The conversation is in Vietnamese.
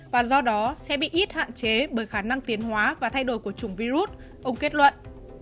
và do đó sẽ bị ít hạn chế bởi khả năng tiến hóa và thay đổi của chủng virus ông kết luận